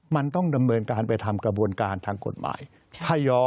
มันต้องดำเนินการไปทำกระบวนการทางกฎหมาย